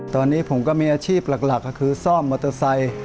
ตอนนี้ผมก็มีอาชีพหลักก็คือซ่อมมอเตอร์ไซค์